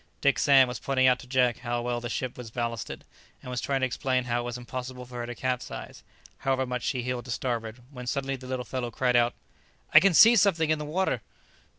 Dick Sand was pointing out to Jack how well the ship was ballasted, and was trying to explain how it was impossible for her to capsize, however much she heeled to starboard, when suddenly the little fellow cried out, "I can see something in the water!"